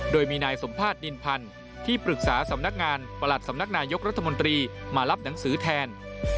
โดยมีนายสมภาษณินพันธ์ที่ปรึกษาสำนักงานประหลัดสำนักนายกรัฐมนตรีมารับหนังสือแทน